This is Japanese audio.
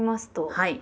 はい。